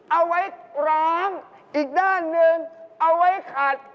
เอาไว้ร้องอีกด้านหนึ่งเอาไว้ขัด